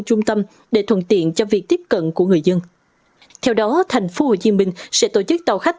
trung tâm để thuận tiện cho việc tiếp cận của người dân theo đó tp hcm sẽ tổ chức tàu khách